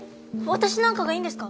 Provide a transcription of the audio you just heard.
私なんかがいいんですか！？